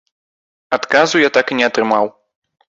Адказу я так і не атрымаў.